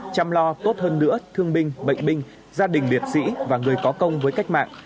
chăm lo tốt hơn nữa thương minh bệnh minh gia đình việt sĩ và người có công với cách mạng